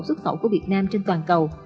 xuất khẩu của việt nam trên toàn cầu